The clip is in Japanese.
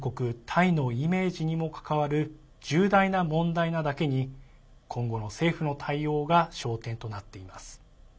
タイのイメージにも関わる重大な問題なだけに今後の政府の対応が焦点となっています。